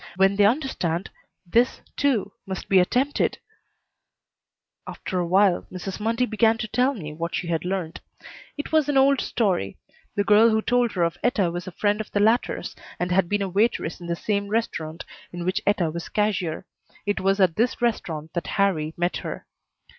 When they understand, this, too, must be attempted After a while Mrs. Mundy began to tell me what she had learned. It was an old story. The girl who told her of Etta was a friend of the latter's and had been a waitress in the same restaurant in which Etta was cashier. It was at this restaurant that Harrie met her.